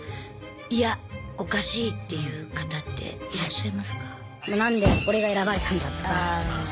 いやおかしいって言う方っていらっしゃいますか？